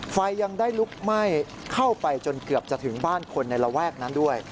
ยังได้ลุกไหม้เข้าไปจนเกือบจะถึงบ้านคนในระแวกนั้นด้วย